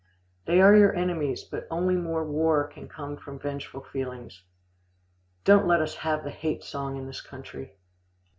They are your enemies, but only more war can come from vengeful feelings. Don't let us have the hate song in this country."